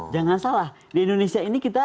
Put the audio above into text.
jangan salah di indonesia ini kita